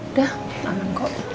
udah aman kok